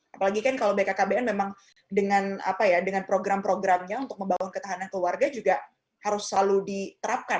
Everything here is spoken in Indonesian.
apalagi kan kalau bkkbn memang dengan program programnya untuk membangun ketahanan keluarga juga harus selalu diterapkan